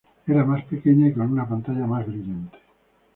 Era más pequeña y con una pantalla más brillante.